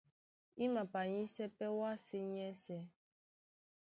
I mapanyísɛ́ pɛ́ wásē nyɛ́sɛ̄.